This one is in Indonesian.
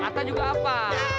kata juga apa